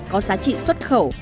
có giá trị xuất khẩu